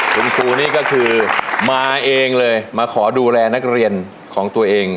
คุณครูนี่ก็คือมาเองเลยมาขอดูแลนักเรียนของตัวเอง